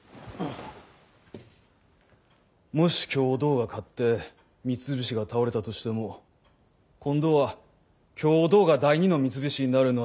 もし共同が勝って三菱が倒れたとしても今度は共同が第二の三菱になるのは知れたこと。